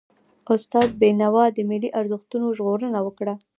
استاد بينوا د ملي ارزښتونو ژغورنه وکړه.